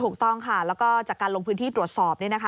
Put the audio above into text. ถูกต้องค่ะแล้วก็จากการลงพื้นที่ตรวจสอบ